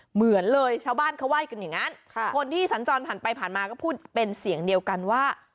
เหมือนเลยชาวบ้านเขาว่ากันอย่างนั้นคนที่สัญจรผ่านไปผ่านมาก็พูดเป็นเสียงเดียวกันว่า